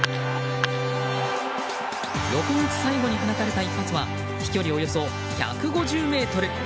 ６月最後に放たれた一発は飛距離およそ１５０ｍ。